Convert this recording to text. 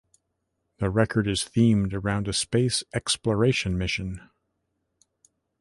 The record is themed around a space exploration mission.